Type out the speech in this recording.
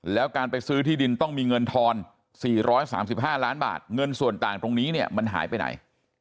แล้วการไปซื้อที่ดินต้องมีเงินทอน๔๓๕ล้านบาทเงินส่วนต่างตรงนี้เนี่ยมันหายไปไหน